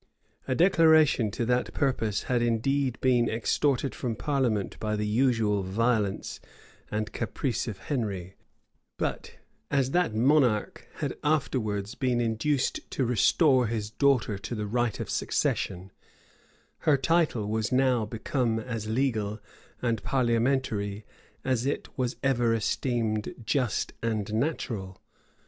A declaration to that purpose had indeed been extorted from parliament by the usual violence and caprice of Henry; but as that monarch had afterwards been induced to restore his daughter to the right of succession, her title was now become as legal and parliamentary as it was ever esteemed just and natural.